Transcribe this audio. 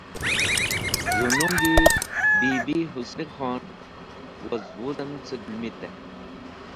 Z̃hũ nungi Bibi Husni khon woz wuzem cẽ Gũlmit en.